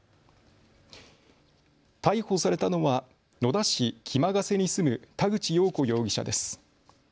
逮捕されたのは野田市木間ケ瀬に住む田口よう子容疑者です。